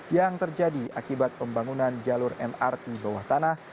yang terjadi akibat pembangunan jalur mrt bawah tanah